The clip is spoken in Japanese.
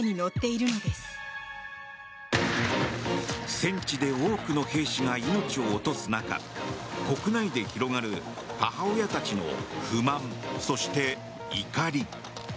戦地で多くの兵士が命を落とす中国内で広がる母親たちの不満、そして怒り。